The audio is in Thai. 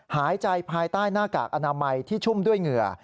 หายใจภายใต้หน้ากากอนามัยที่ชุ่มด้วยเหงื่อ